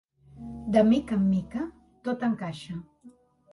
De mica en mica tot encaixa.